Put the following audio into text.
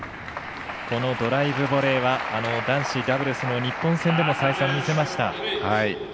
このドライブボレーは男子ダブルスの日本戦でも再三見せました。